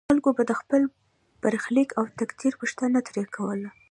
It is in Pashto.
خلکو به د خپل برخلیک او تقدیر پوښتنه ترې کوله.